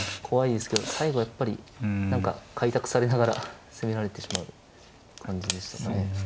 怖いですけど最後やっぱり何か開拓されながら攻められてしまう感じでしたね。